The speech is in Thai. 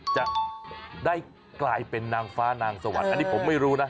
จะได้กลายเป็นนางฟ้านางสวรรค์อันนี้ผมไม่รู้นะ